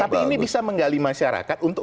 tapi ini bisa menggali masyarakat untuk